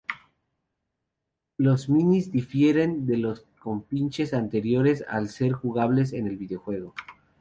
Los minis difieren de los compinches anteriores al ser jugables en el videojuego.